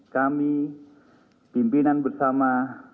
kami pimpinan bersama